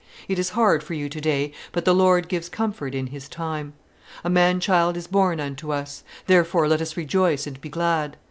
"It is hard for you today, but the Lord gives comfort in His time. A man child is born unto us, therefore let us rejoice and be glad.